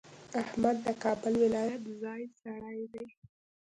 احمد د کابل ولایت ځای سړی دی.